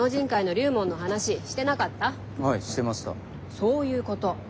そういうこと。